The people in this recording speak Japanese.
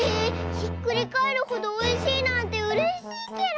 ひっくりかえるほどおいしいなんてうれしいケロ！